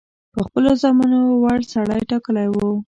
په خپلو زامنو کې وړ سړی ټاکلی وو.